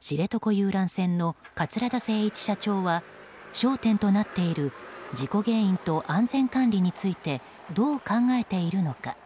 知床遊覧船の桂田精一社長は焦点となっている事故原因と安全管理についてどう考えているのか。